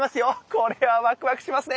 これはワクワクしますね。